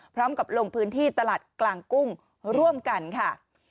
พร้อมกับโรงพื้นที่ตลาดกลางกุ้งร่วมกันค่ะ